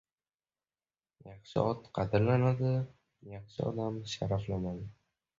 • Yaxshi ot qadrlanadi, yaxshi odam sharaflanadi.